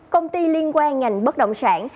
công ty liên quan ngành bất động sản